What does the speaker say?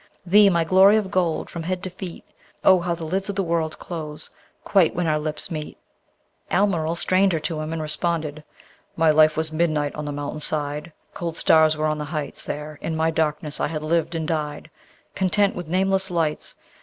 Thee, my glory of gold, from head to feet! Oh, how the lids of the world close quite when our lips meet! Almeryl strained her to him, and responded: My life was midnight on the mountain side; Cold stars were on the heights: There, in my darkness, I had lived and died, Content with nameless lights.